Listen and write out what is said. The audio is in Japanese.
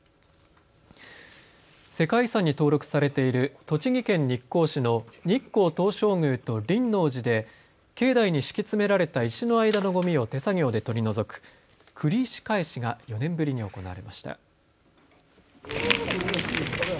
世界遺産に登録されている栃木県日光市の日光東照宮と輪王寺で境内に敷き詰められた石の間のごみを手作業で取り除く栗石返しが４年ぶりに行われました。